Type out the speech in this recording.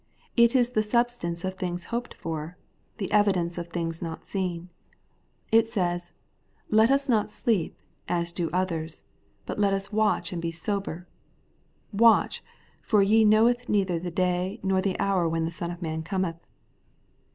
It is the substance of things hoped for, the evidence of things not seen. It says. Let us not sleep, as do others ; but let us watch and be sober : watch, for ye know neither the day nor the hour when the Son of man cometh.